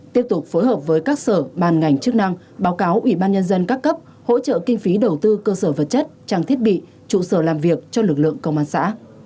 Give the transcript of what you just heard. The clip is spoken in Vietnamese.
tiếp tục phối hợp với các sở ban ngành chức năng báo cáo ủy ban nhân dân các cấp hỗ trợ kinh phí đầu tư cơ sở vật chất trang thiết bị trụ sở làm việc cho lực lượng công an xã